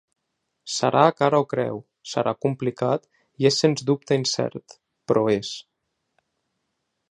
Serà a cara o creu, serà complicat i és sens dubte incert, però és.